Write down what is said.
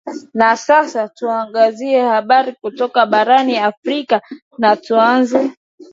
na sasa tuangazie habari kutoka barani afrika na tuanzie